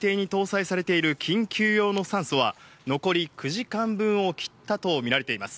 潜水艇に搭載されている緊急用の酸素は残り９時間分を切ったと見られています。